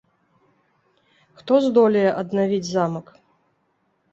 Хто здолее аднавіць замак?